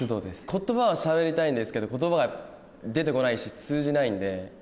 言葉をしゃべりたいんですけど言葉が出て来ないし通じないんで。